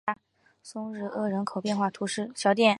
松日厄人口变化图示